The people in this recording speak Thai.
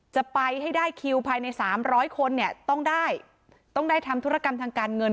จะไปให้ได้คิวภายในสามร้อยคนเนี่ยต้องได้ต้องได้ทำธุรกรรมทางการเงิน